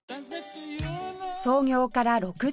創業から６０年